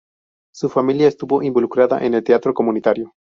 Su familia estuvo involucrada en el teatro comunitario.